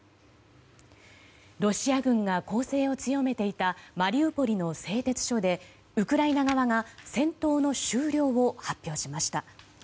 ロシア軍が攻勢を強めていたマリウポリの製鉄所でウクライナ側が戦闘の終了を発表しました。